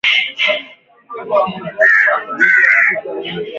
Ukuaji wa Biashara katika nchi za Afrika mashariki umeshamiri hivi karibuni.